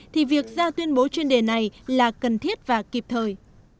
thì việc ra tuyên bố chuyên đề này là cần thiết và kịp thời